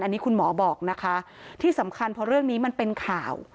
อันนี้คุณหมอบอกนะคะที่สำคัญพอเรื่องนี้มันเป็นข่าว